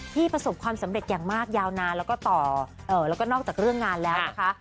ประสบความสำเร็จอย่างมากยาวนานแล้วก็ต่อแล้วก็นอกจากเรื่องงานแล้วนะคะ